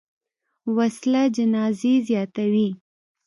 وسله جنازې زیاتوي